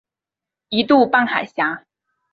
一度半海峡。